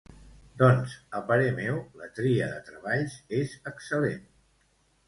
Doncs, a parer meu, la tria de treballs és excel·lent.